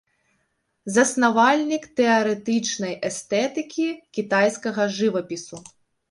Заснавальнік тэарэтычнай эстэтыкі кітайскага жывапісу.